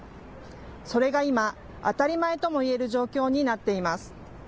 それが今、当たり前とも言える状況になっています。